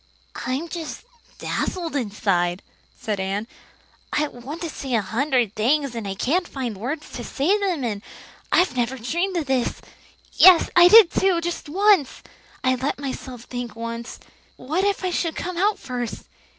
"I'm just dazzled inside," said Anne. "I want to say a hundred things, and I can't find words to say them in. I never dreamed of this yes, I did too, just once! I let myself think once, 'What if I should come out first?